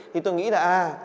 thì tôi nghĩ là